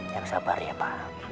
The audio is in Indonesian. jangan sabar ya pak